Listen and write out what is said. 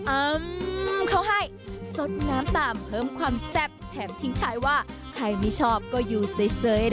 เอิ่มเขาให้สดน้ำต่ำเพิ่มความแจ็บแถมทิ้งไทยว่าใครไม่ชอบก็อยู่เซยเซย